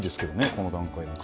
この段階でも。